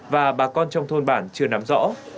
và bà con trong thôn bản chưa nắm rõ